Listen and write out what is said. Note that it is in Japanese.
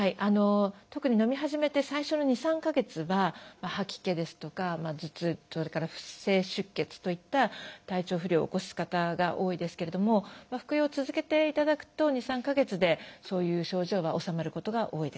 特にのみ始めて最初の２３か月は吐き気ですとか頭痛それから不正出血といった体調不良を起こす方が多いですけれども服用を続けていただくと２３か月でそういう症状は治まることが多いです。